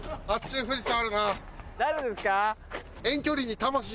誰ですか？